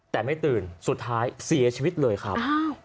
แต่ไม่ตื่นสุดท้ายเสียชีวิตเลยครับ